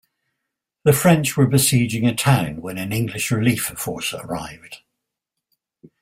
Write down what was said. The French were besieging a town when an English relief force arrived.